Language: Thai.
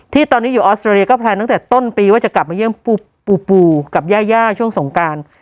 ที่ตอนนี้อยู่ออสเตรเลียก็แพลนตั้งแต่ต้นปีว่าจะกลับมาเยี่ยมปูปูกับย่าย่าช่วงสงการ